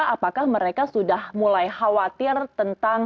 apakah mereka sudah mulai khawatir tentang